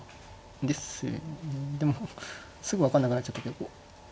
でもすぐ分かんなくなっちゃったけどこう。